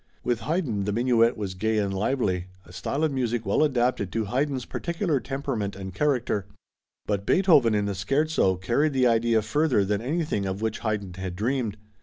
With Haydn the Minuet was gay and lively, a style of music well adapted to Haydn's particular temperament and character; but Beethoven in the Scherzo carried the idea further than anything of which Haydn had dreamed.